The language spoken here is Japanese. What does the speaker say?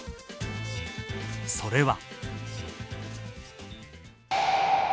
それは。